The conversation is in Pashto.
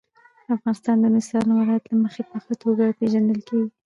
افغانستان د نورستان د ولایت له مخې په ښه توګه پېژندل کېږي.